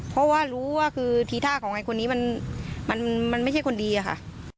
เพราะว่ารู้ว่าคือทีท่าของไอ้คนนี้มันไม่ใช่คนดีอะค่ะ